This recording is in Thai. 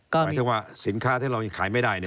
หมายถึงว่าสินค้าที่เรายังขายไม่ได้